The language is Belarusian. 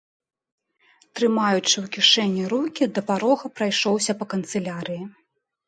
Трымаючы ў кішэні рукі, да парога прайшоўся па канцылярыі.